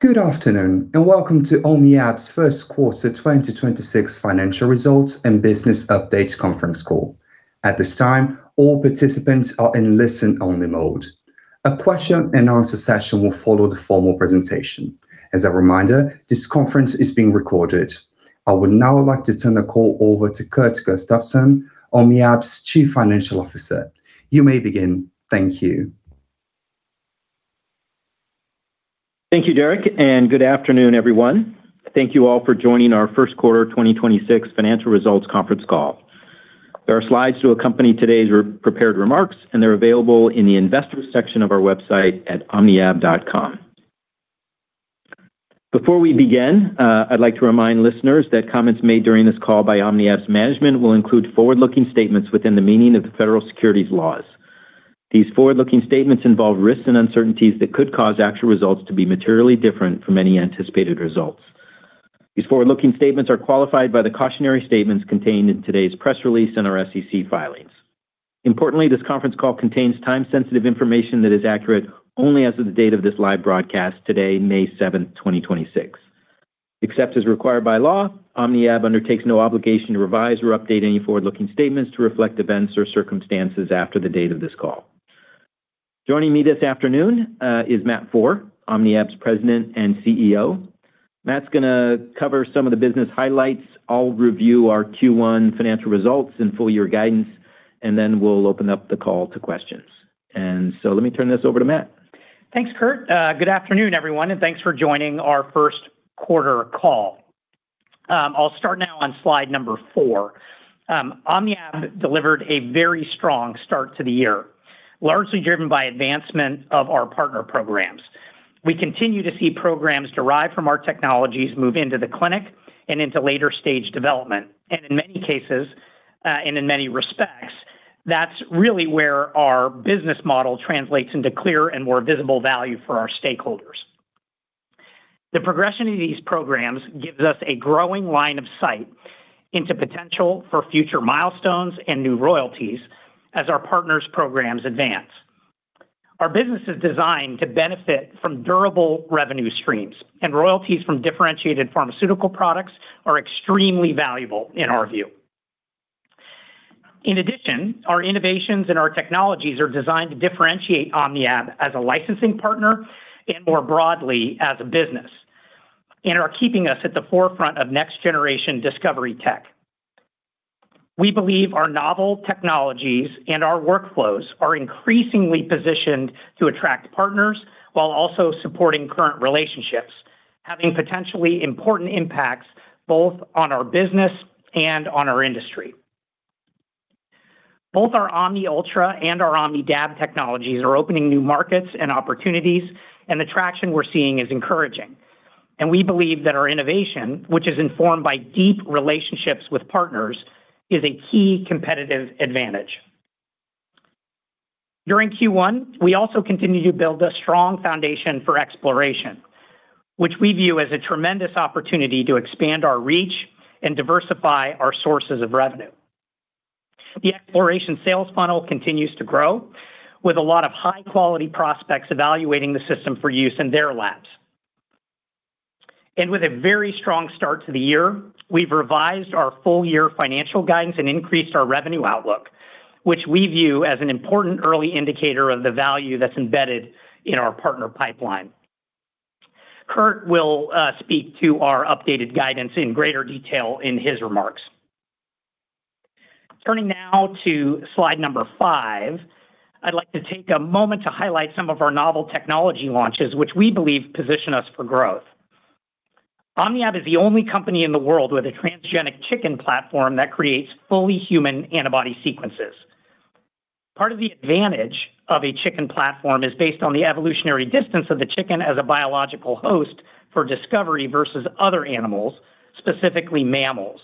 Good afternoon, and welcome to OmniAb's first quarter 2026 financial results and business update conference call. At this time, all participants are in listen-only mode. A question-and-answer session will follow the formal presentation. As a reminder, this conference is being recorded. I would now like to turn the call over to Kurt Gustafson, OmniAb's Chief Financial Officer. You may begin. Thank you. Thank you, Derek, good afternoon, everyone. Thank you all for joining our first quarter 2026 financial results conference call. There are slides to accompany today's re-prepared remarks, and they're available in the investors section of our website at omniab.com. Before we begin, I'd like to remind listeners that comments made during this call by OmniAb's management will include forward-looking statements within the meaning of the federal securities laws. These forward-looking statements involve risks and uncertainties that could cause actual results to be materially different from any anticipated results. These forward-looking statements are qualified by the cautionary statements contained in today's press release and our SEC filings. Importantly, this conference call contains time-sensitive information that is accurate only as of the date of this live broadcast today, May 7, 2026. Except as required by law, OmniAb undertakes no obligation to revise or update any forward-looking statements to reflect events or circumstances after the date of this call. Joining me this afternoon is Matt Foehr, OmniAb's president and CEO. Matt's gonna cover some of the business highlights. I'll review our Q1 financial results and full year guidance, and then we'll open up the call to questions. Let me turn this over to Matt. Thanks, Kurt. Good afternoon, everyone, and thanks for joining our first quarter call. I'll start now on slide number four. OmniAb delivered a very strong start to the year, largely driven by advancement of our partner programs. We continue to see programs derived from our technologies move into the clinic and into later stage development. In many cases, and in many respects, that's really where our business model translates into clearer and more visible value for our stakeholders. The progression of these programs gives us a growing line of sight into potential for future milestones and new royalties as our partners' programs advance. Our business is designed to benefit from durable revenue streams, and royalties from differentiated pharmaceutical products are extremely valuable in our view. In addition, our innovations and our technologies are designed to differentiate OmniAb as a licensing partner and more broadly as a business and are keeping us at the forefront of next generation discovery tech. We believe our novel technologies and our workflows are increasingly positioned to attract partners while also supporting current relationships, having potentially important impacts both on our business and on our industry. Both our OmniUltra and our OmnidAb technologies are opening new markets and opportunities. The traction we're seeing is encouraging. We believe that our innovation, which is informed by deep relationships with partners, is a key competitive advantage. During Q1, we also continued to build a strong foundation for xPloration, which we view as a tremendous opportunity to expand our reach and diversify our sources of revenue. The xPloration sales funnel continues to grow with a lot of high-quality prospects evaluating the system for use in their labs. With a very strong start to the year, we've revised our full year financial guidance and increased our revenue outlook, which we view as an important early indicator of the value that's embedded in our partner pipeline. Kurt will speak to our updated guidance in greater detail in his remarks. Turning now to slide number five, I'd like to take a moment to highlight some of our novel technology launches, which we believe position us for growth. OmniAb is the only company in the world with a transgenic chicken platform that creates fully human antibody sequences. Part of the advantage of a chicken platform is based on the evolutionary distance of the chicken as a biological host for discovery versus other animals, specifically mammals.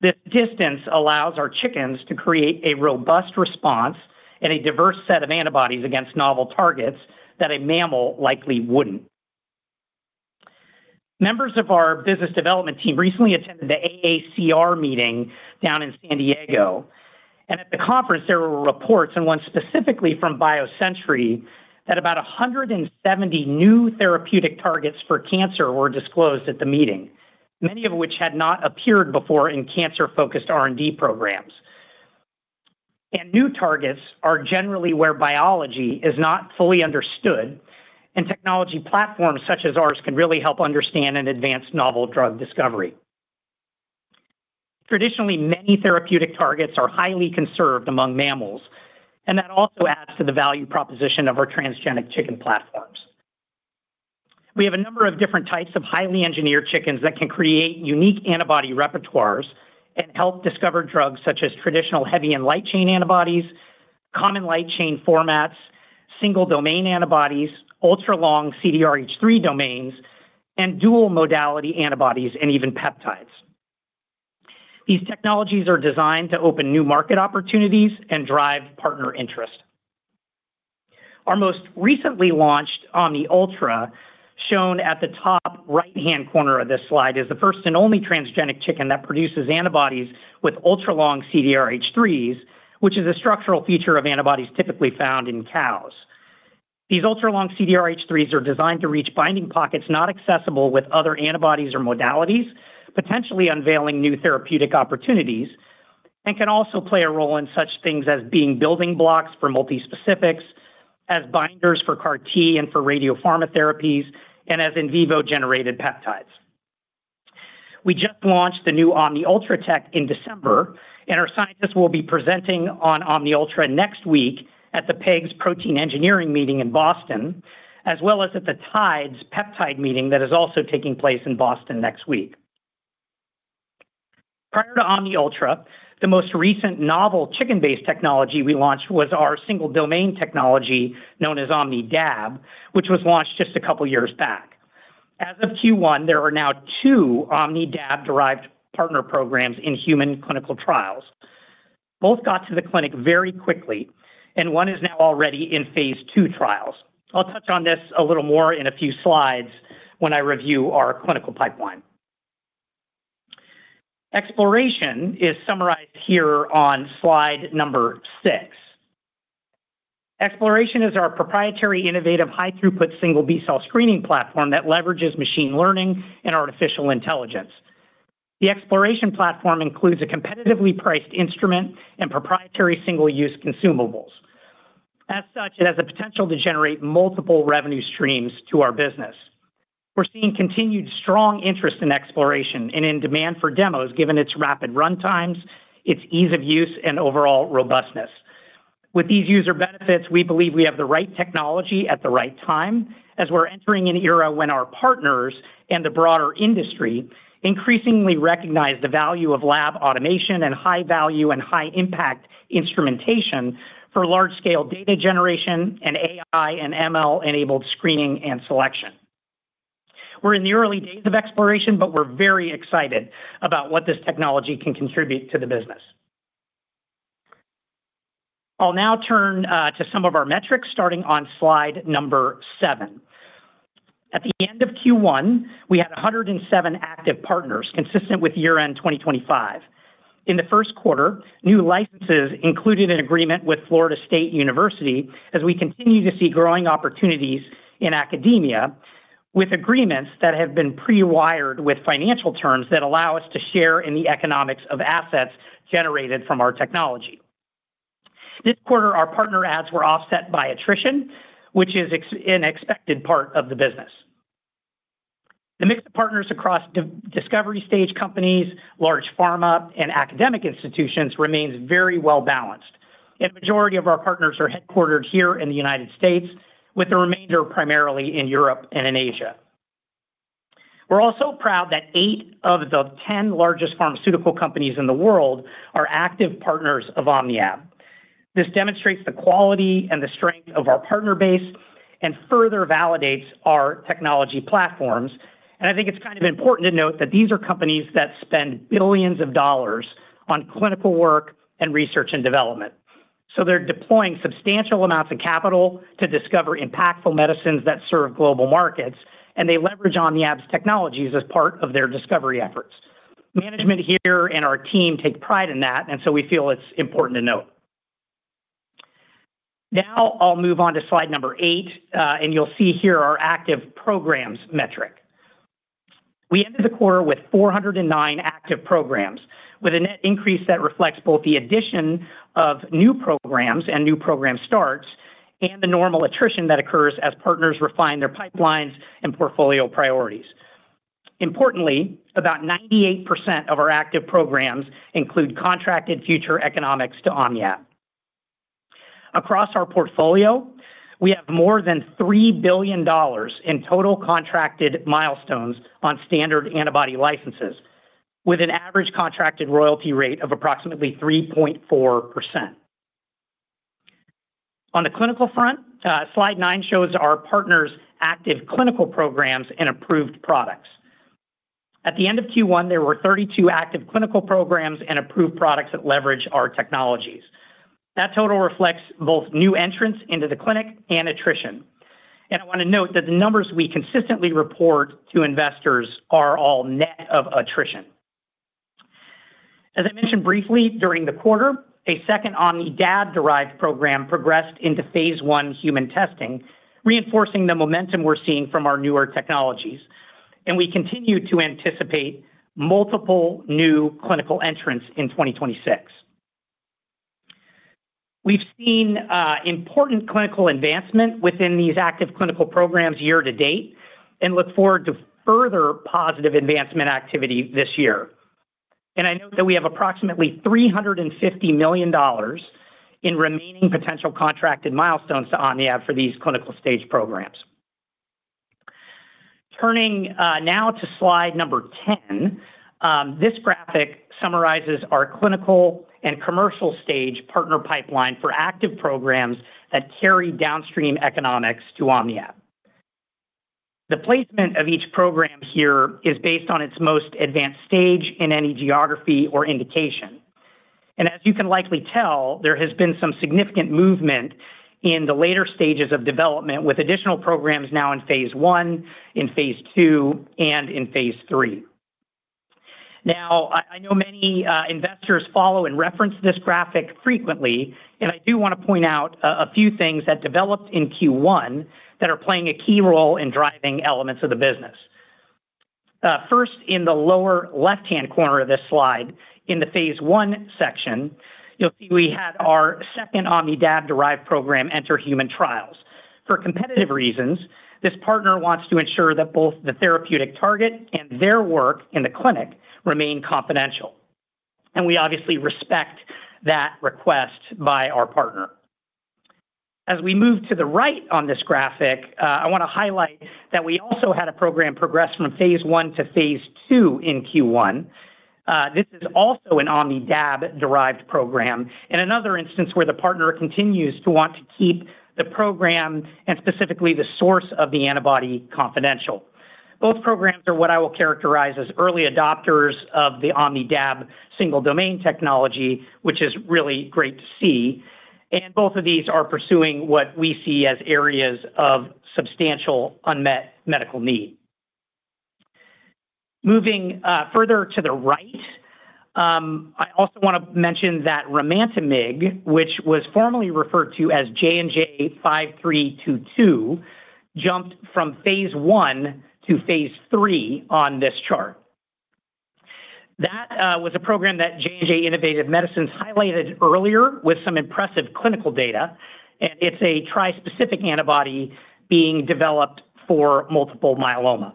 This distance allows our chickens to create a robust response and a diverse set of antibodies against novel targets that a mammal likely wouldn't. Members of our business development team recently attended the AACR meeting down in San Diego. At the conference, there were reports and one specifically from BioCentury that about 170 new therapeutic targets for cancer were disclosed at the meeting, many of which had not appeared before in cancer-focused R&D programs. New targets are generally where biology is not fully understood, and technology platforms such as ours can really help understand and advance novel drug discovery. Traditionally, many therapeutic targets are highly conserved among mammals, and that also adds to the value proposition of our transgenic chicken platforms. We have a number of different types of highly engineered chickens that can create unique antibody repertoires and help discover drugs such as traditional heavy and light chain antibodies, common light chain formats, single domain antibodies, ultralong CDRH3 domains, and dual modality antibodies, and even peptides. These technologies are designed to open new market opportunities and drive partner interest. Our most recently launched OmniUltra, shown at the top right-hand corner of this slide, is the first and only transgenic chicken that produces antibodies with ultralong CDRH3s, which is a structural feature of antibodies typically found in cows. These ultralong CDRH3s are designed to reach binding pockets not accessible with other antibodies or modalities, potentially unveiling new therapeutic opportunities, and can also play a role in such things as being building blocks for multi-specifics, as binders for CAR T and for radiopharma therapies, and as in vivo generated peptides. We just launched the new OmniUltra in December. Our scientists will be presenting on OmniUltra next week at the PEGS protein engineering meeting in Boston, as well as at the TIDES peptide meeting that is also taking place in Boston next week. Prior to OmniUltra, the most recent novel chicken-based technology we launched was our single-domain technology known as OmnidAb, which was launched just a couple years back. As of Q1, there are now two OmnidAb-derived partner programs in human clinical trials. Both got to the clinic very quickly. One is now already in phase II trials. I'll touch on this a little more in a few slides when I review our clinical pipeline. xPloration is summarized here on slide number six. xPloration is our proprietary innovative high-throughput single B-cell screening platform that leverages machine learning and artificial intelligence. The xPloration platform includes a competitively priced instrument and proprietary single-use consumables. As such, it has the potential to generate multiple revenue streams to our business. We're seeing continued strong interest in xPloration and in demand for demos given its rapid run times, its ease of use, and overall robustness. With these user benefits, we believe we have the right technology at the right time as we're entering an era when our partners and the broader industry increasingly recognize the value of lab automation and high-value and high-impact instrumentation for large-scale data generation and AI and ML-enabled screening and selection. We're in the early days of xPloration, we're very excited about what this technology can contribute to the business. I'll now turn to some of our metrics starting on slide number seven. At the end of Q1, we had 107 active partners consistent with year-end 2025. In the first quarter, new licenses included an agreement with Florida State University as we continue to see growing opportunities in academia with agreements that have been pre-wired with financial terms that allow us to share in the economics of assets generated from our technology. This quarter, our partner adds were offset by attrition, which is an expected part of the business. The mix of partners across discovery stage companies, large pharma, and academic institutions remains very well-balanced, the majority of our partners are headquartered here in the United States with the remainder primarily in Europe and in Asia. We are also proud that eight of the 10 largest pharmaceutical companies in the world are active partners of OmniAb. This demonstrates the quality and the strength of our partner base and further validates our technology platforms. I think it's kind of important to note that these are companies that spend billions of dollars on clinical work and research and development. They're deploying substantial amounts of capital to discover impactful medicines that serve global markets, and they leverage OmniAb's technologies as part of their discovery efforts. Management here and our team take pride in that. We feel it's important to note. I'll move on to slide number eight. You'll see here our active programs metric. We ended the quarter with 409 active programs with a net increase that reflects both the addition of new programs and new program starts and the normal attrition that occurs as partners refine their pipelines and portfolio priorities. Importantly, about 98% of our active programs include contracted future economics to OmniAb. Across our portfolio, we have more than $3 billion in total contracted milestones on standard antibody licenses with an average contracted royalty rate of approximately 3.4%. On the clinical front, slide nine shows our partners' active clinical programs and approved products. At the end of Q1, there were 32 active clinical programs and approved products that leverage our technologies. That total reflects both new entrants into the clinic and attrition. I want to note that the numbers we consistently report to investors are all net of attrition. As I mentioned briefly during the quarter, a second OmnidAb-derived program progressed into phase I human testing, reinforcing the momentum we're seeing from our newer technologies. We continue to anticipate multiple new clinical entrants in 2026. We've seen important clinical advancement within these active clinical programs year to date and look forward to further positive advancement activity this year, and I note that we have approximately $350 million in remaining potential contracted milestones to OmniAb for these clinical stage programs. Turning now to slide number 10, this graphic summarizes our clinical and commercial stage partner pipeline for active programs that carry downstream economics to OmniAb. The placement of each program here is based on its most advanced stage in any geography or indication, and as you can likely tell, there has been some significant movement in the later stages of development with additional programs now in phase I, in phase II, and in phase III. I know many investors follow and reference this graphic frequently, and I do wanna point out a few things that developed in Q1 that are playing a key role in driving elements of the business. First, in the lower left-hand corner of this slide, in the phase I section, you'll see we had our second OmnidAb-derived program enter human trials. For competitive reasons, this partner wants to ensure that both the therapeutic target and their work in the clinic remain confidential, and we obviously respect that request by our partner. As we move to the right on this graphic, I wanna highlight that we also had a program progress from phase I to phase II in Q1. This is also an OmnidAb-derived program, and another instance where the partner continues to want to keep the program, and specifically the source of the antibody, confidential. Both programs are what I will characterize as early adopters of the OmnidAb single domain technology, which is really great to see, and both of these are pursuing what we see as areas of substantial unmet medical need. Moving further to the right, I also wanna mention that Romantamig, which was formerly referred to as JNJ-5322, jumped from phase I to phase III on this chart. That was a program that JNJ Innovative Medicine highlighted earlier with some impressive clinical data, and it's a tri-specific antibody being developed for multiple myeloma.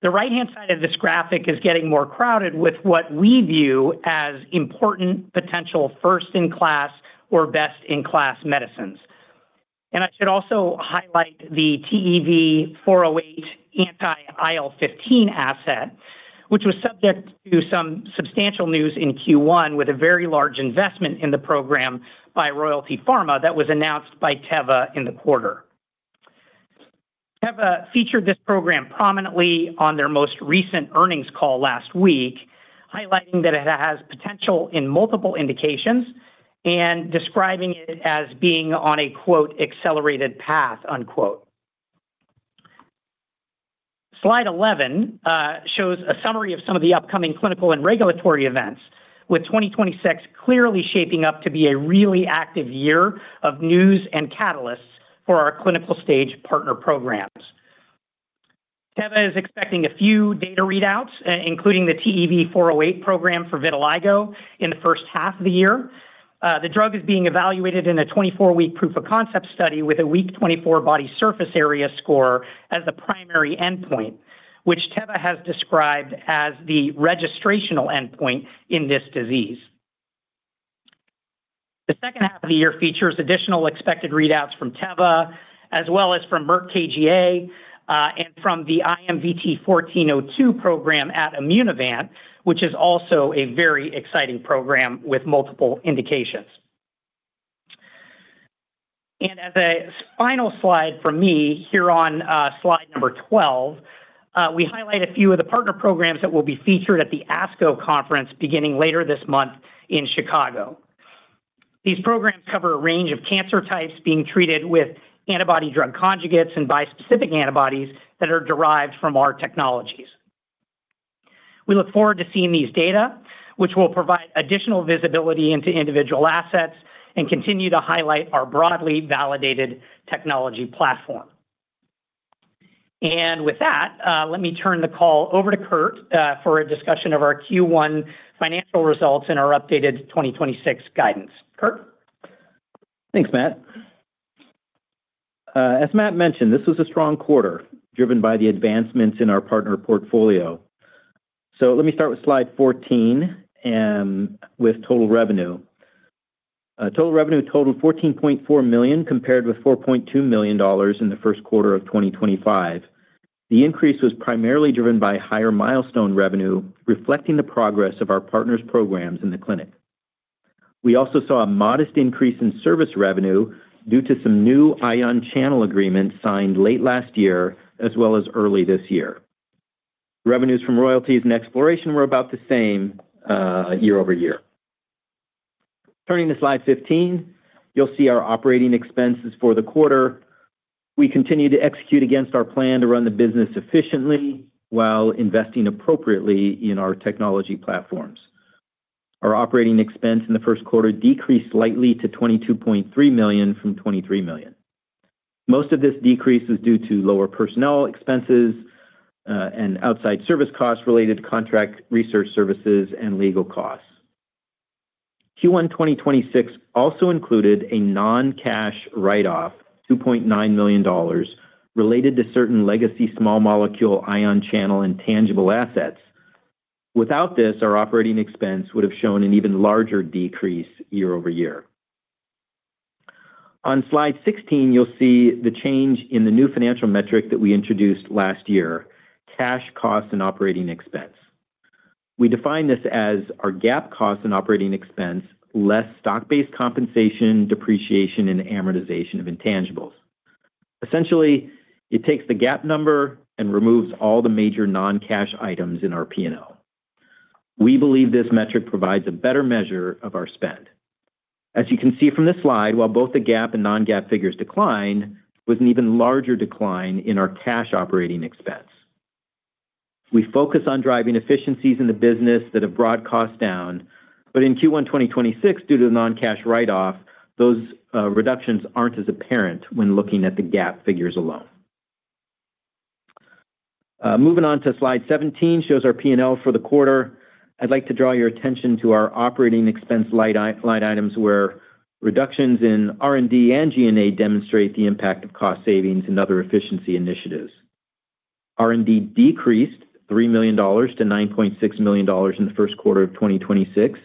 The right-hand side of this graphic is getting more crowded with what we view as important potential first-in-class or best-in-class medicines. I should also highlight the TEV-'408 anti-IL-15 asset, which was subject to some substantial news in Q1 with a very large investment in the program by Royalty Pharma that was announced by Teva in the quarter. Teva featured this program prominently on their most recent earnings call last week, highlighting that it has potential in multiple indications and describing it as being on a, quote, "accelerated path," unquote. Slide 11 shows a summary of some of the upcoming clinical and regulatory events, with 2026 clearly shaping up to be a really active year of news and catalysts for our clinical stage partner programs. Teva is expecting a few data readouts, including the TEV-'408 program for vitiligo in the first half of the year. The drug is being evaluated in a 24-week proof of concept study with a week 24 body surface area score as the primary endpoint, which Teva has described as the registrational endpoint in this disease. The second half of the year features additional expected readouts from Teva, as well as from Merck KGaA, and from the IMVT-1402 program at Immunovant, which is also a very exciting program with multiple indications. As a final slide from me here on slide number 12, we highlight a few of the partner programs that will be featured at the ASCO conference beginning later this month in Chicago. These programs cover a range of cancer types being treated with antibody drug conjugates and bispecific antibodies that are derived from our technologies. We look forward to seeing these data, which will provide additional visibility into individual assets and continue to highlight our broadly validated technology platform. With that, let me turn the call over to Kurt for a discussion of our Q1 financial results and our updated 2026 guidance. Kurt? Thanks, Matt. As Matt mentioned, this was a strong quarter driven by the advancements in our partner portfolio. Let me start with slide 14 with total revenue. Total revenue totaled $14.4 million compared with $4.2 million in the first quarter of 2025. The increase was primarily driven by higher milestone revenue reflecting the progress of our partners' programs in the clinic. We also saw a modest increase in service revenue due to some new ion channel agreements signed late last year, as well as early this year. Revenues from royalties and xPloration were about the same year-over-year. Turning to slide 15, you'll see our operating expenses for the quarter. We continue to execute against our plan to run the business efficiently while investing appropriately in our technology platforms. Our operating expense in the first quarter decreased slightly to $22.3 million from $23 million. Most of this decrease is due to lower personnel expenses, and outside service costs related to contract research services and legal costs. Q1 2026 also included a non-cash write-off, $2.9 million, related to certain legacy small molecule ion channel and tangible assets. Without this, our operating expense would have shown an even larger decrease year-over-year. On slide 16, you'll see the change in the new financial metric that we introduced last year, cash cost and operating expense. We define this as our GAAP cost and operating expense, less stock-based compensation, depreciation, and amortization of intangibles. Essentially, it takes the GAAP number and removes all the major non-cash items in our P&L. We believe this metric provides a better measure of our spend. As you can see from this slide, while both the GAAP and non-GAAP figures decline, with an even larger decline in our cash operating expense. We focus on driving efficiencies in the business that have brought costs down, but in Q1 2026, due to the non-cash write-off, those reductions aren't as apparent when looking at the GAAP figures alone. Moving on to slide 17, shows our P&L for the quarter. I'd like to draw your attention to our operating expense line items where reductions in R&D and G&A demonstrate the impact of cost savings and other efficiency initiatives. R&D decreased $3 million to $9.6 million in the first quarter of 2026,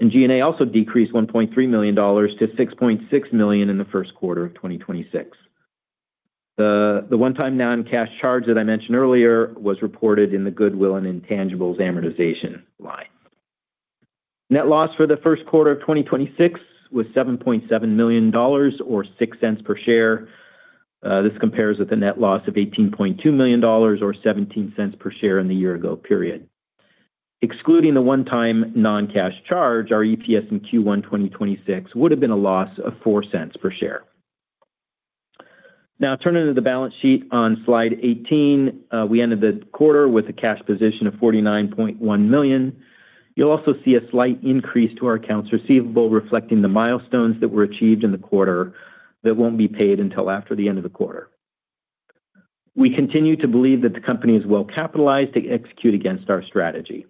and G&A also decreased $1.3 million to $6.6 million in the first quarter of 2026. The one-time non-cash charge that I mentioned earlier was reported in the goodwill and intangibles amortization line. Net loss for the first quarter of 2026 was $7.7 million or $0.06 per share. This compares with the net loss of $18.2 million or $0.17 per share in the year ago period. Excluding the one-time non-cash charge, our EPS in Q1 2026 would have been a loss of $0.04 per share. Turning to the balance sheet on Slide 18, we ended the quarter with a cash position of $49.1 million. You'll also see a slight increase to our accounts receivable reflecting the milestones that were achieved in the quarter that won't be paid until after the end of the quarter. We continue to believe that the company is well-capitalized to execute against our strategy.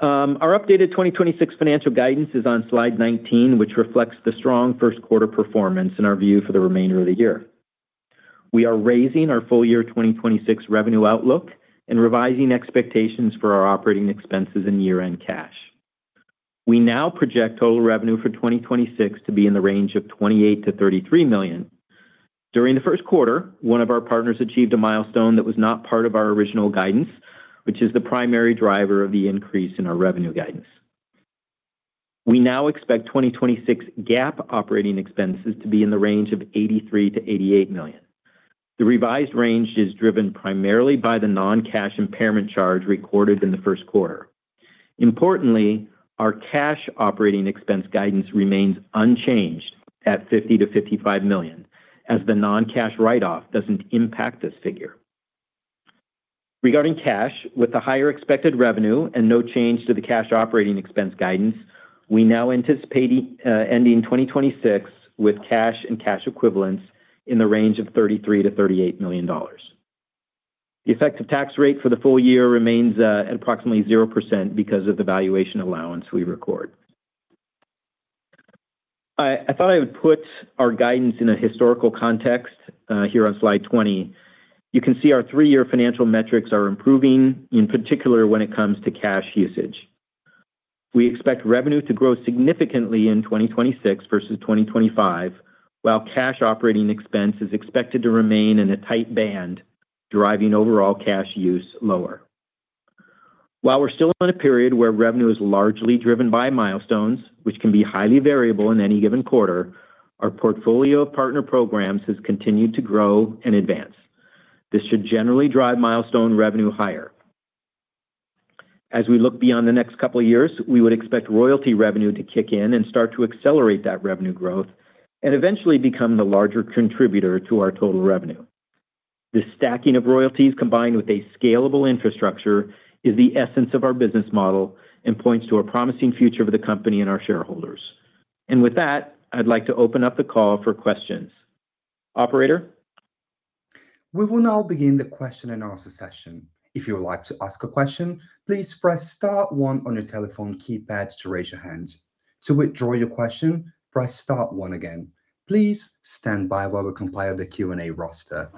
Our updated 2026 financial guidance is on Slide 19, which reflects the strong first quarter performance in our view for the remainder of the year. We are raising our full-year 2026 revenue outlook and revising expectations for our operating expenses and year-end cash. We now project total revenue for 2026 to be in the range of $28 million-$33 million. During the 1st quarter, one of our partners achieved a milestone that was not part of our original guidance, which is the primary driver of the increase in our revenue guidance. We now expect 2026 GAAP operating expenses to be in the range of $83 million-$88 million. The revised range is driven primarily by the non-cash impairment charge recorded in the first quarter. Importantly, our cash operating expense guidance remains unchanged at $50 million-$55 million, as the non-cash write-off doesn't impact this figure. Regarding cash, with the higher expected revenue and no change to the cash operating expense guidance, we now anticipate ending 2026 with cash and cash equivalents in the range of $33 million-$38 million. The effective tax rate for the full year remains at approximately 0% because of the valuation allowance we record. I thought I would put our guidance in a historical context here on Slide 20. You can see our three-year financial metrics are improving, in particular, when it comes to cash usage. We expect revenue to grow significantly in 2026 versus 2025, while cash operating expense is expected to remain in a tight band, driving overall cash use lower. While we're still in a period where revenue is largely driven by milestones, which can be highly variable in any given quarter, our portfolio of partner programs has continued to grow and advance. This should generally drive milestone revenue higher. As we look beyond the next couple of years, we would expect royalty revenue to kick in and start to accelerate that revenue growth and eventually become the larger contributor to our total revenue. This stacking of royalties combined with a scalable infrastructure is the essence of our business model and points to a promising future for the company and our shareholders. With that, I'd like to open up the call for questions. Operator? We will now begin the question-and-answer session. If you'd like to ask a question please press star one on your telephone keypad to raise your hands. To widthraw the question press star one again. Please standby while we compile the Q&A roster.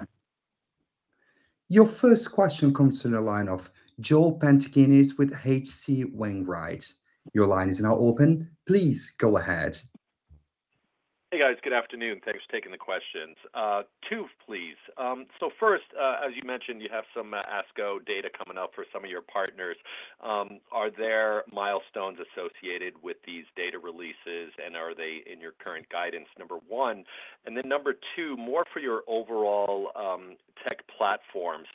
Your first question comes to the line of Joseph Pantginis with H.C. Wainwright. Your line is now open. Please go ahead. Hey, guys. Good afternoon. Thanks for taking the questions. Two, please. First, as you mentioned, you have some ASCO data coming up for some of your partners. Are there milestones associated with these data releases, and are they in your current guidance? Number one. Number two, more for your overall tech platforms.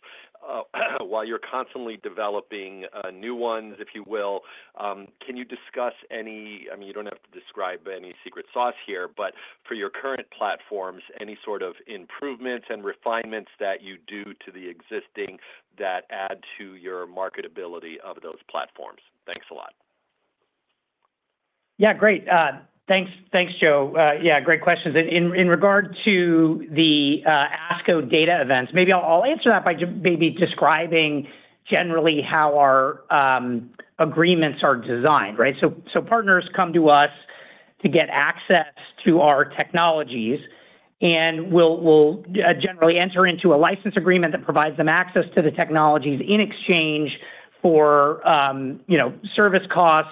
While you're constantly developing new ones, if you will, can you discuss any I mean, you don't have to describe any secret sauce here, for your current platforms, any sort of improvements and refinements that you do to the existing that add to your marketability of those platforms? Thanks a lot. Great. Thanks, Joe. Great questions. In regard to the ASCO data events, maybe I'll answer that by describing generally how our agreements are designed, right? Partners come to us to get access to our technologies, and we'll generally enter into a license agreement that provides them access to the technologies in exchange for service costs,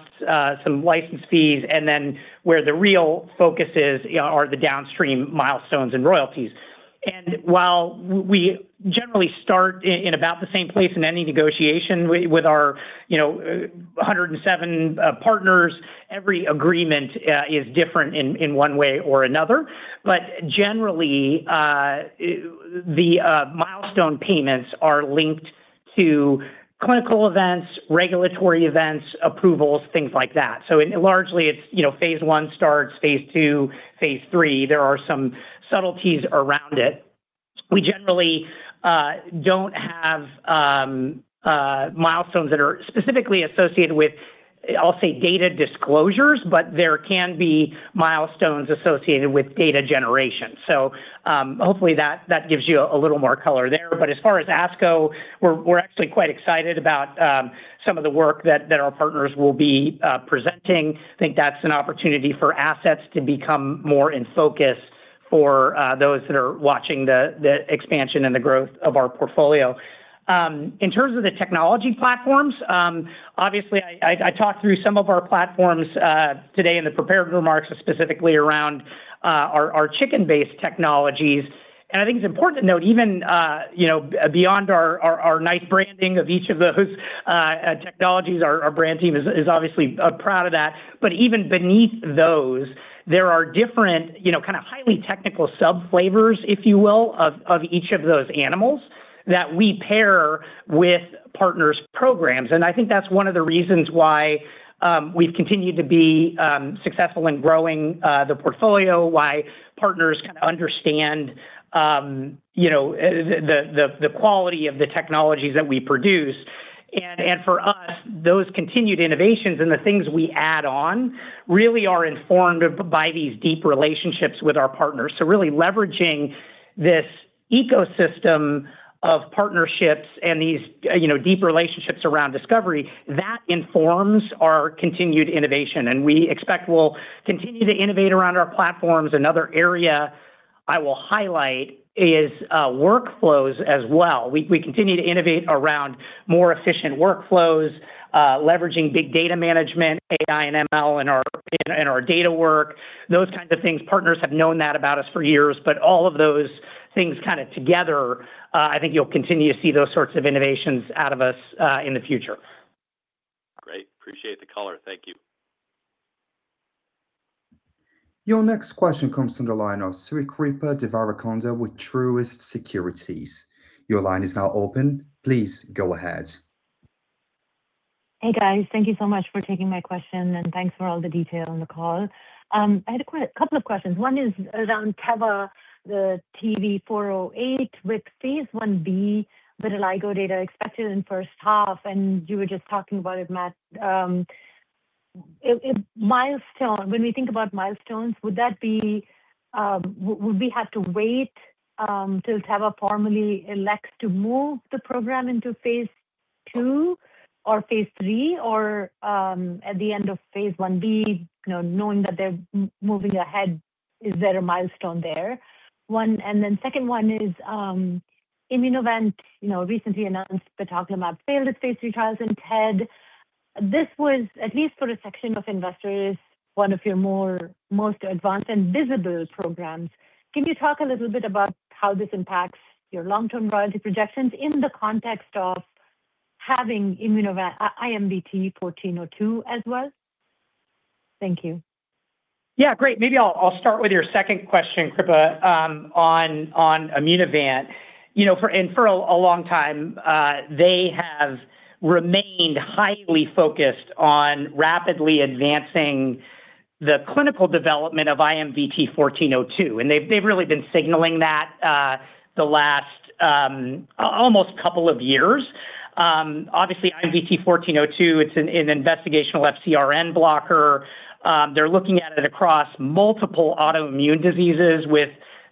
some license fees, and then where the real focus is are the downstream milestones and royalties. While we generally start in about the same place in any negotiation with our, 107 partners, every agreement is different in one way or another. Generally, the milestone payments are linked too clinical events, regulatory events, approvals, things like that. Largely it's, you know, phase I starts, phase II, phase III. There are some subtleties around it. We generally don't have milestones that are specifically associated with, I'll say, data disclosures, but there can be milestones associated with data generation. hopefully that gives you a little more color there. as far as ASCO, we're actually quite excited about some of the work that our partners will be presenting. I think that's an opportunity for assets to become more in focus for those that are watching the expansion and the growth of our portfolio. in terms of the technology platforms, obviously I talked through some of our platforms today in the prepared remarks specifically around our chicken-based technologies. I think it's important to note even, you know, beyond our, our nice branding of each of those technologies, our brand team is obviously proud of that. Even beneath those, there are different, you know, kind of highly technical sub flavors, if you will, of each of those animals that we pair with partners' programs. I think that's one of the reasons why we've continued to be successful in growing the portfolio, why partners kind of understand, you know, the, the quality of the technologies that we produce. For us, those continued innovations and the things we add on really are informed by these deep relationships with our partners. Really leveraging this ecosystem of partnerships and these, you know, deep relationships around discovery, that informs our continued innovation, and we expect we'll continue to innovate around our platforms. Another area I will highlight is workflows as well. We continue to innovate around more efficient workflows, leveraging big data management, AI and ML in our data work, those kinds of things. Partners have known that about us for years, all of those things kind of together, I think you'll continue to see those sorts of innovations out of us in the future. Great. Appreciate the color. Thank you. Your next question comes from the line of Srikripa Devarakonda with Truist Securities. Your line is now open. Please go ahead. Hey, guys. Thank you so much for taking my question, and thanks for all the detail on the call. I had a couple of questions. One is around Teva, the TEV-'408. With phase I-B vitiligo data expected in first half, and you were just talking about it, Matt, Milestone, when we think about milestones, would that be, would we have to wait, till Teva formally elects to move the program into phase II or phase III, or, at the end of phase I-B, you know, knowing that they're moving ahead, is there a milestone there? One, and then second one is, Immunovant, you know, recently announced batoclimab failed its phase III trials in TED. This was, at least for a section of investors, one of your most advanced and visible programs. Can you talk a little bit about how this impacts your long-term royalty projections in the context of having IMVT-1402 as well? Thank you. Yeah, great. Maybe I'll start with your second question, Kripa, on Immunovant. You know, for a long time, they have remained highly focused on rapidly advancing the clinical development of IMVT-1402, and they've really been signaling that the last almost couple of years. Obviously IMVT-1402, it's an investigational FcRn blocker. They're looking at it across multiple autoimmune diseases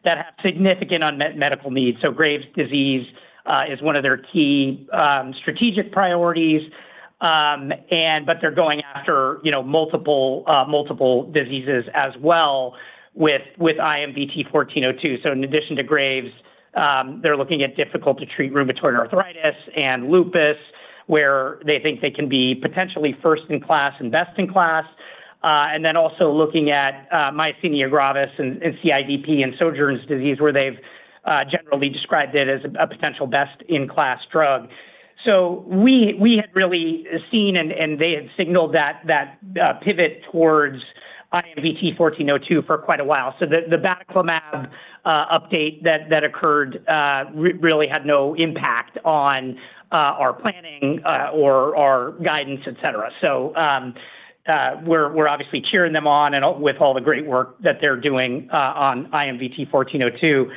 that have significant unmet medical needs. Graves' disease is one of their key strategic priorities. They're going after multiple diseases as well with IMVT-1402. In addition to Graves', they're looking at difficult to treat rheumatoid arthritis and lupus, where they think they can be potentially first in class and best in class. And then also looking at myasthenia gravis and CIDP and Sjögren's disease, where they've generally described it as a potential best-in-class drug. We had really seen and they had signaled that pivot towards IMVT-1402 for quite a while. The batoclimab update that occurred really had no impact on our planning or our guidance, et cetera. We're obviously cheering them on with all the great work that they're doing on IMVT-1402.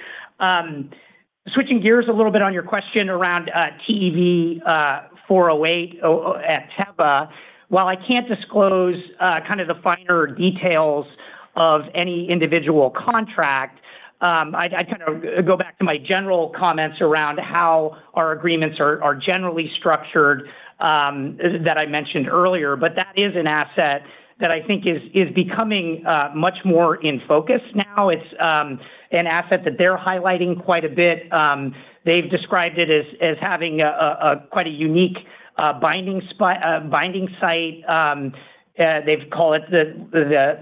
Switching gears a little bit on your question around TEV-'408 at Teva. While I can't disclose kind of the finer details of any individual contract, I'd kind of go back to my general comments around how our agreements are generally structured that I mentioned earlier. That is an asset that I think is becoming much more in focus now. It's an asset that they're highlighting quite a bit. They've described it as having a quite a unique binding site. They've called it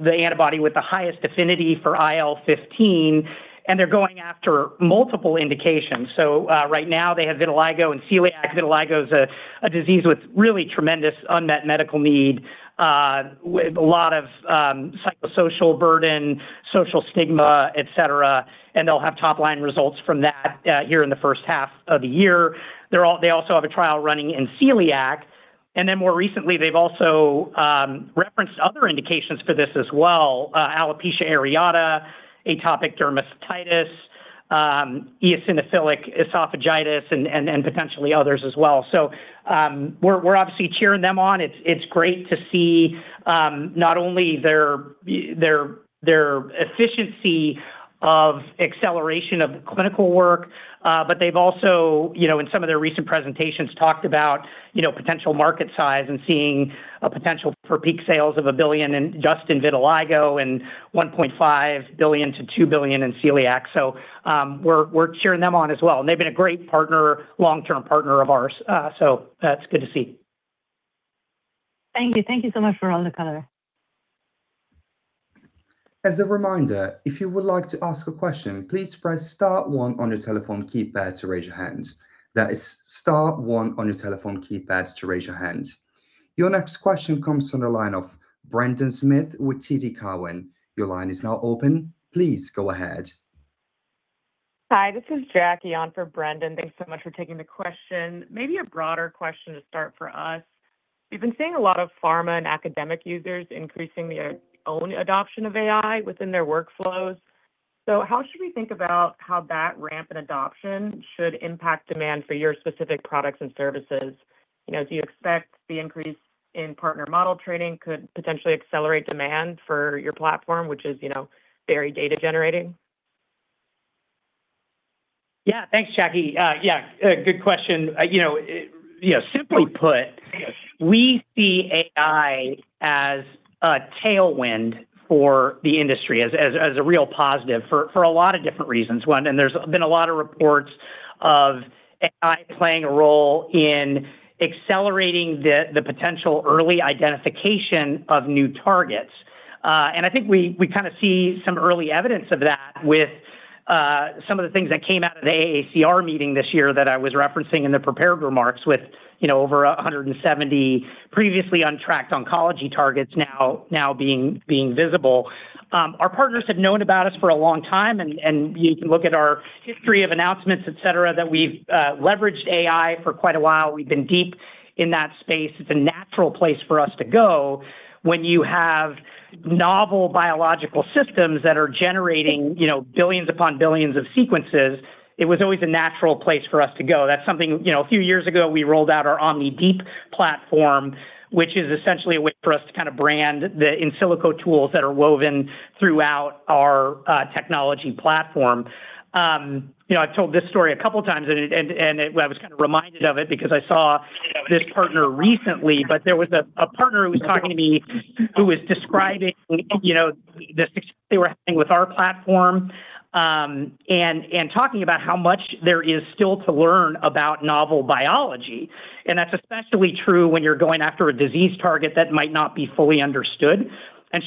the antibody with the highest affinity for IL-15, and they're going after multiple indications. Right now they have vitiligo and celiac. Vitiligo is a disease with really tremendous unmet medical need, with a lot social burden, social stigma, et cetera, and they'll have top line results from that here in the first half of the year. They also have a trial running in celiac. More recently, they've also referenced other indications for this as well, alopecia areata, atopic dermatitis, eosinophilic esophagitis and potentially others as well. We're obviously cheering them on. It's great to see not only their efficiency of acceleration of clinical work, but they've also, you know, in some of their recent presentations, talked about, you know, potential market size and seeing a potential for peak sales of $1 billion in just vitiligo and $1.5 billion-$2 billion in celiac. We're cheering them on as well, and they've been a great partner, long-term partner of ours. That's good to see. Thank you. Thank you so much for all the color. As a reminder, if you would like to ask a question, please press star one on your telephone keypad to raise your hand. That is star one on your telephone keypad to raise your hand. Your next question comes from the line of Brendan Smith with TD Cowen. Your line is now open. Please go ahead. Hi, this is Jackie on for Brendan. Thanks so much for taking the question. Maybe a broader question to start for us. We've been seeing a lot of pharma and academic users increasing their own adoption of AI within their workflows. How should we think about how that ramp in adoption should impact demand for your specific products and services? You know, do you expect the increase in partner model training could potentially accelerate demand for your platform, which is, you know, very data generating? Yeah, thanks, Jackie. Yeah, a good question. Simply put we see AI as a tailwind for the industry, as a real positive for a lot of different reasons. One, there's been a lot of reports of AI playing a role in accelerating the potential early identification of new targets. I think we kind of see some early evidence of that with some of the things that came out of the AACR meeting this year that I was referencing in the prepared remarks with, you know, over 170 previously untracked oncology targets now being visible. Our partners have known about us for a long time and you can look at our history of announcements, et cetera, that we've leveraged AI for quite a while. We've been deep in that space. It's a natural place for us to go when you have novel biological systems that are generating, you know, billions upon billions of sequences, it was always a natural place for us to go. That's something, you know, a few years ago, we rolled out our OmniDeep platform, which is essentially a way for us to kind of brand the in silico tools that are woven throughout our technology platform. You know, I've told this story a couple times and I was kind of reminded of it because I saw this partner recently, but there was a partner who was talking to me who was describing, you know, the success they were having with our platform and talking about how much there is still to learn about novel biology. That's especially true when you're going after a disease target that might not be fully understood.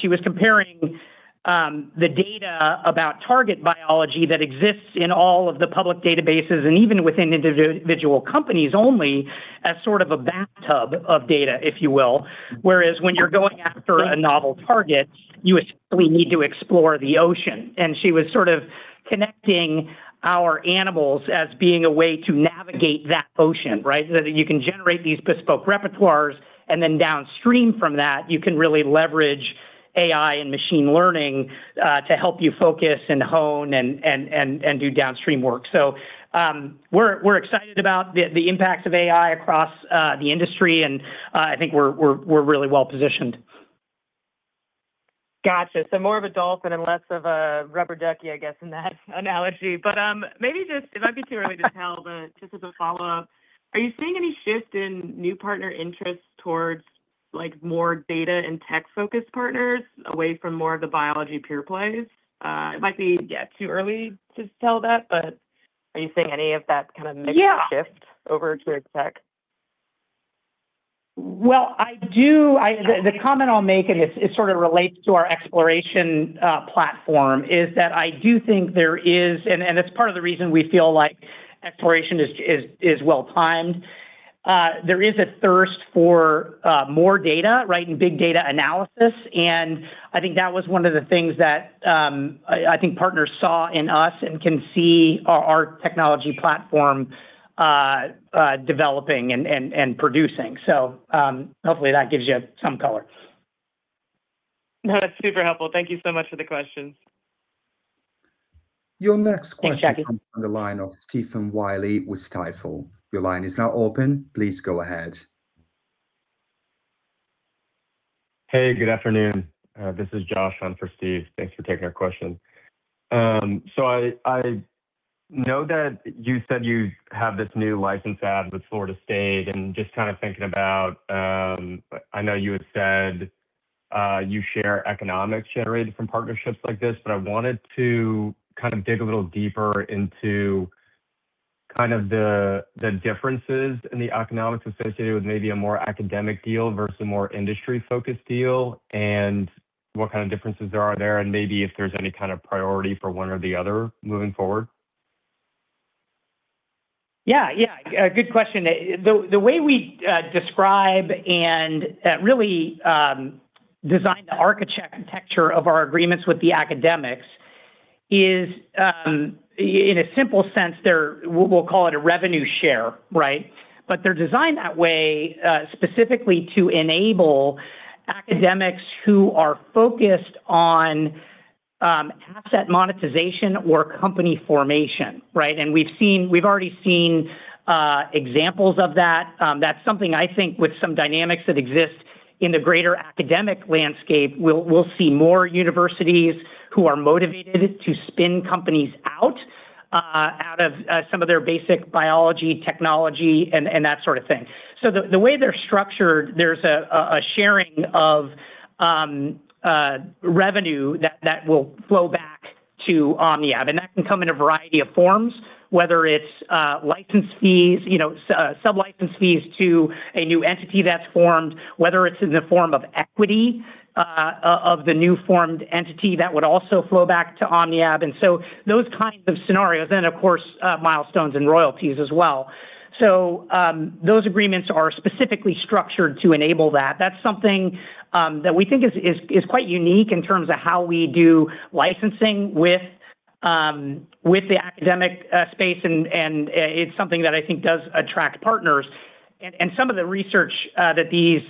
She was comparing the data about target biology that exists in all of the public databases and even within individual companies only as sort of a bathtub of data, if you will. Whereas when you're going after a novel target, you essentially need to explore the ocean. She was sort of connecting our animals as being a way to navigate that ocean, right? That you can generate these bespoke repertoires and then downstream from that, you can really leverage AI and machine learning to help you focus and hone and do downstream work. We're excited about the impact of AI across the industry, and I think we're really well-positioned. Gotcha. More of a dolphin and less of a rubber ducky, I guess, in that analogy. Maybe just, it might be too early to tell, but just as a follow-up, are you seeing any shift in new partner interest towards, like, more data and tech-focused partners away from more of the biology pure plays? It might be, yeah, too early to tell that, but are you seeing any of that kind of mix shift? Over to tech? I do. The comment I'll make, and it sort of relates to our xPloration platform, is that I do think there is, and it's part of the reason we feel like xPloration is well-timed. There is a thirst for more data, right, and big data analysis, and I think that was one of the things that I think partners saw in us and can see our technology platform developing and producing. Hopefully that gives you some color. No, that's super helpful. Thank you so much for the questions. Your next question- Thanks, Jackie. ...comes from the line of Stephen Willey with Stifel. Your line is now open. Please go ahead. Hey, good afternoon. This is Josh on for Steve. Thanks for taking our question. I know that you said you have this new license add with Florida State and just kind of thinking about, I know you had said, you share economics generated from partnerships like this, but I wanted to kind of dig a little deeper into kind of the differences in the economics associated with maybe a more academic deal versus a more industry-focused deal and what kind of differences there are there and maybe if there's any kind of priority for one or the other moving forward. Yeah, a good question. The way we describe and really design the architecture of our agreements with the academics is in a simple sense, we'll call it a revenue share, right. They're designed that way specifically to enable academics who are focused on asset monetization or company formation, right. We've already seen examples of that. That's something I think with some dynamics that exist in the greater academic landscape. We'll see more universities who are motivated to spin companies out of some of their basic biology technology and that sort of thing. The way they're structured, there's a sharing of a revenue that will flow back to OmniAb, and that can come in a variety of forms, whether it's license fees, you know, sub-license fees to a new entity that's formed, whether it's in the form of equity of the new formed entity that would also flow back to OmniAb. Those kinds of scenarios then, of course, milestones and royalties as well. Those agreements are specifically structured to enable that. That's something that we think is quite unique in terms of how we do licensing with the academic space and it's something that I think does attract partners. Some of the research that these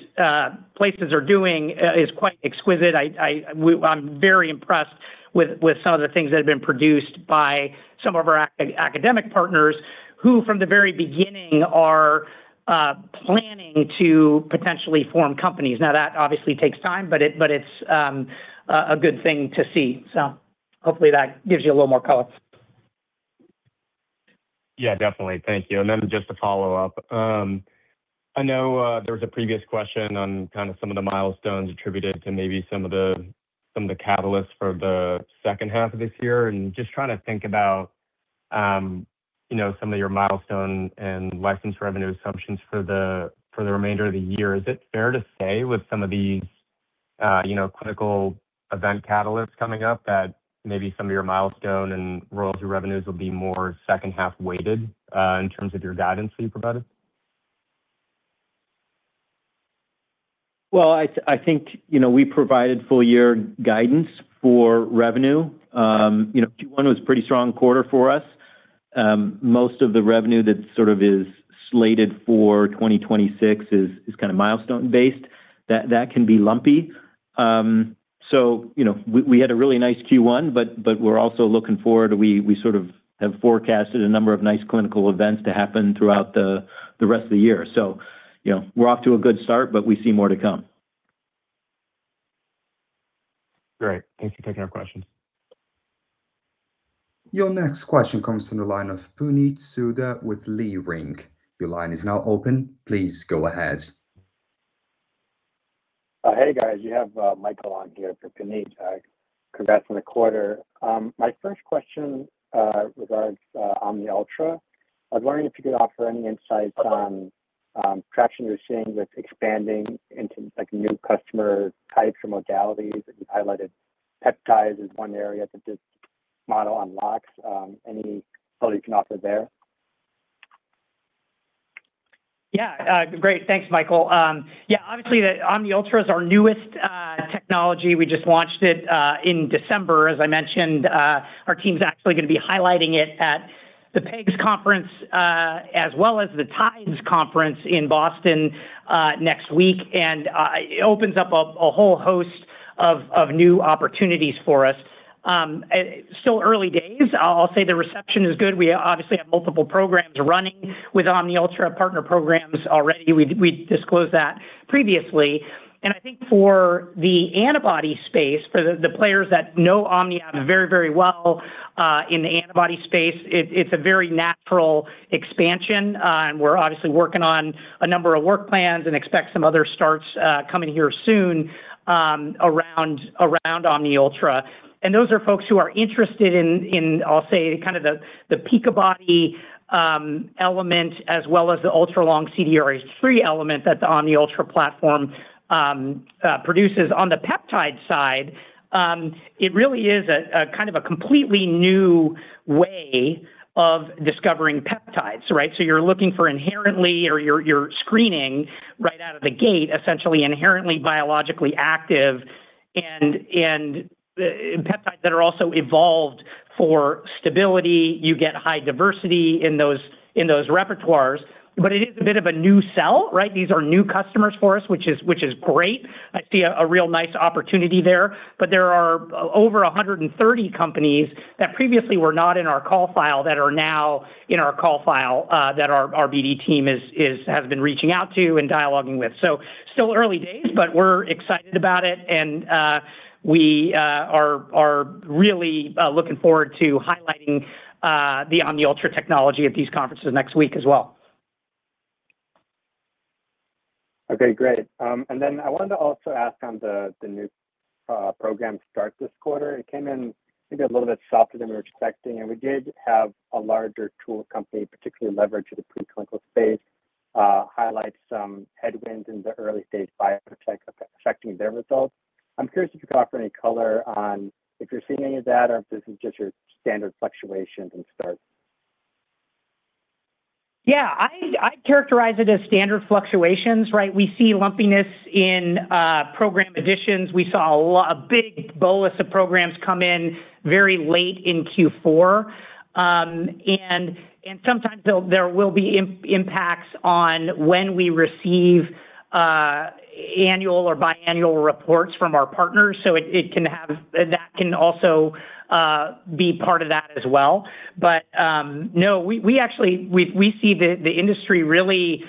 places are doing is quite exquisite. I'm very impressed with some of the things that have been produced by some of our academic partners, who from the very beginning are planning to potentially form companies. Now, that obviously takes time, but it's a good thing to see. Hopefully that gives you a little more color. Yeah, definitely. Thank you. Just a follow-up. I know there was a previous question on kind of some of the milestones attributed to maybe some of the, some of the catalysts for the second half of this year, and just trying to think about some of your milestone and license revenue assumptions for the, for the remainder of the year. Is it fair to say with some of these clinical event catalysts coming up, that maybe some of your milestone and royalty revenues will be more second half weighted in terms of your guidance that you provided? Well, I think, you know, we provided full year guidance for revenue. You know, Q1 was a pretty strong quarter for us. Most of the revenue that sort of is slated for 2026 is kinda milestone-based. That can be lumpy. You know, we had a really nice Q1, but we're also looking forward. We sort of have forecasted a number of nice clinical events to happen throughout the rest of the year. You know, we're off to a good start, but we see more to come. Great. Thank you for taking our questions. Your next question comes from the line of Puneet Souda with Leerink Partners. Hey, guys. You have Michael on here for Puneet. Congrats on the quarter. My first question regards OmniUltra. I was wondering if you could offer any insights on traction you're seeing with expanding into, like, new customer types or modalities. You highlighted peptides as one area that this model unlocks. Any color you can offer there? Yeah, great. Thanks, Michael. Yeah, obviously the OmniUltra is our newest technology. We just launched it in December, as I mentioned. Our team's actually gonna be highlighting it at the PEGS conference, as well as the TIDES conference in Boston next week. It opens up a whole host of new opportunities for us. Still early days, I'll say the reception is good. We obviously have multiple programs running with OmniUltra partner programs already. We disclosed that previously. I think for the antibody space, for the players that know OmniAb very well, in the antibody space, it's a very natural expansion. We're obviously working on a number of work plans and expect some other starts coming here soon around OmniUltra. Those are folks who are interested in, I'll say, kind of the picobody element as well as the ultralong CDRH3 element that the OmniUltra platform produces. On the peptide side, it really is a kind of a completely new way of discovering peptides, right? You're looking for inherently or you're screening right out of the gate, essentially inherently biologically active and peptides that are also evolved for stability. You get high diversity in those repertoires. It is a bit of a new sell, right? These are new customers for us, which is great. I see a real nice opportunity there. There are over 130 companies that previously were not in our call file that are now in our call file that our BD team has been reaching out to and dialoguing with. Still early days, but we're excited about it and we are really looking forward to highlighting the OmniUltra technology at these conferences next week as well. Okay, great. I wanted to also ask on the new program start this quarter. It came in maybe a little bit softer than we were expecting, and we did have a larger tool company, particularly leverage to the preclinical space, highlight some headwinds in the early stage biotech affecting their results. I'm curious if you could offer any color on if you're seeing any of that or if this is just your standard fluctuations and starts? Yeah, I'd characterize it as standard fluctuations, right? We see lumpiness in program additions. We saw a big bolus of programs come in very late in Q4. Sometimes there will be impacts on when we receive annual or biannual reports from our partners, so it can have that can also be part of that as well. No, we actually see the industry really,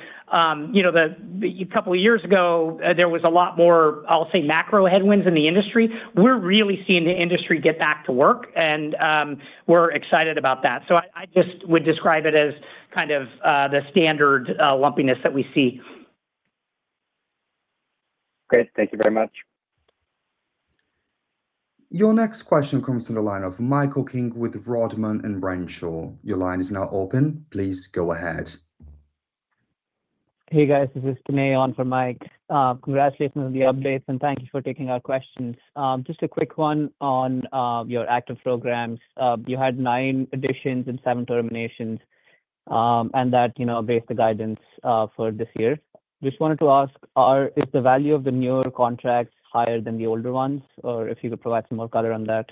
you know, a couple years ago, there was a lot more, I'll say, macro headwinds in the industry. We're really seeing the industry get back to work, we're excited about that. I just would describe it as kind of the standard lumpiness that we see. Great. Thank you very much. Your next question comes from the line of Michael King with Rodman & Renshaw. Your line is now open. Please go ahead. Hey, guys. This is Tanay on for Mike. Congratulations on the updates, and thank you for taking our questions. Just a quick one on your active programs. You had 9 additions and 7 terminations, that, you know, based the guidance for this year. Just wanted to ask, is the value of the newer contracts higher than the older ones, or if you could provide some more color on that?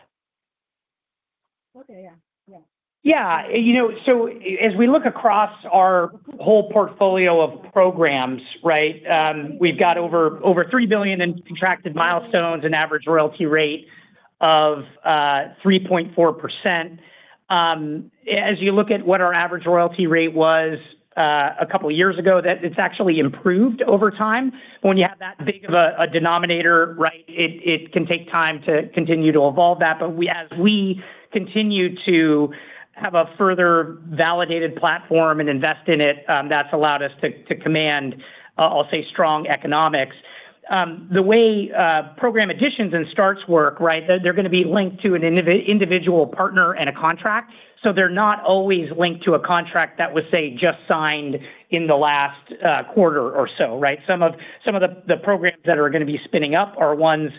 As we look across our whole portfolio of programs, right, we've got over $3 billion in contracted milestones and average royalty rate of 3.4%. As you look at what our average royalty rate was, a couple years ago, that it's actually improved over time. When you have that big of a denominator, right, it can take time to continue to evolve that. We, as we continue to have a further validated platform and invest in it, that's allowed us to command, I'll say, strong economics. The way program additions and starts work, right, they're gonna be linked to an individual partner and a contract, they're not always linked to a contract that was, say, just signed in the last quarter or so, right? Some of the programs that are gonna be spinning up are ones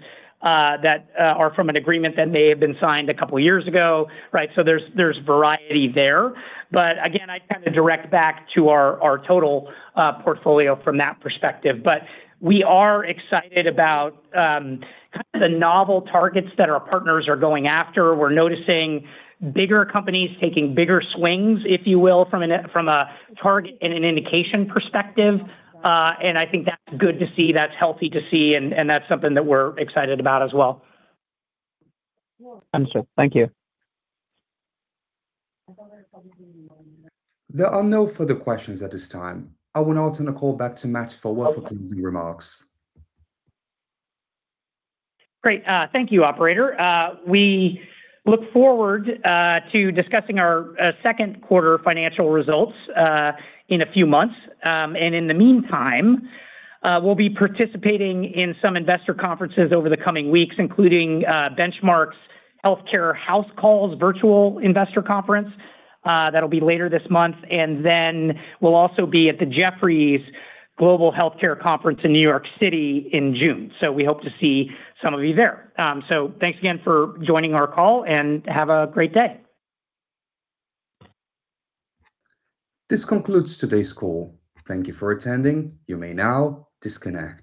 that are from an agreement that may have been signed a couple years ago, right? There's variety there. Again, I kind of direct back to our total portfolio from that perspective. We are excited about kind of the novel targets that our partners are going after. We're noticing bigger companies taking bigger swings, if you will, from a target and an indication perspective. I think that's good to see, that's healthy to see, and that's something that we're excited about as well Understood. Thank you. There are no further questions at this time. I will now turn the call back to Matt for closing remarks. Great. Thank you, operator. We look forward to discussing our second quarter financial results in a few months. In the meantime, we'll be participating in some investor conferences over the coming weeks, including Benchmark's Healthcare House Call virtual investor conference. That'll be later this month. Then we'll also be at the Jefferies Global Healthcare Conference in New York City in June. We hope to see some of you there. Thanks again for joining our call, and have a great day. This concludes today's call. Thank you for attending. You may now disconnect.